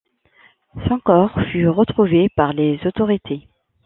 Son corps fut retrouvé par les autorités.